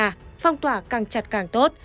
phong tỏa càng chặt càng tốt